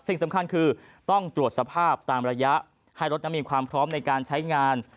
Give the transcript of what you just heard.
สิ่งสำคัญคือต้องตรวจสภาพตามระยะให้รถนั้นมีความพร้อมในการใช้งาน